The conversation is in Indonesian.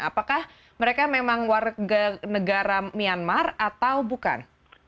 apakah mereka memang warga negara myanmar atau bukan